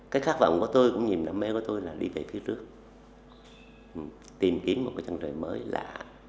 sản phẩm của tôi cũng niềm đam mê của tôi là đi về phía trước tìm kiếm một cái chân trời mới lạ